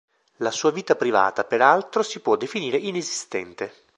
La sua vita privata, peraltro, si può definire inesistente.